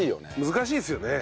難しいですよね。